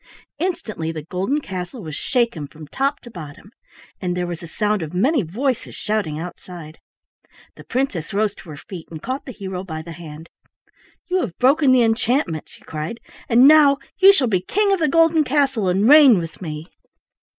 Instantly the golden castle was shaken from top to bottom, and there was a sound of many voices shouting outside. The princess rose to her feet and caught the hero by the hand. "You have broken the enchantment," she cried, "and now you shall be the King of the Golden Castle and reign with me."